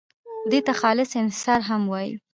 دې ته خالص انحصار هم وایي.